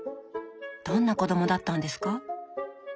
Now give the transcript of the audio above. どんな子どもだったんですか？